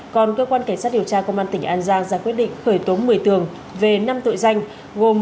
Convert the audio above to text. còn cơ quan cảnh sát điều tra công an tỉnh an giang ra quyết định khởi tố một mươi tường về năm tội danh gồm